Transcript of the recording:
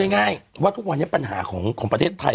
ง่ายว่าทุกวันนี้ปัญหาของประเทศไทย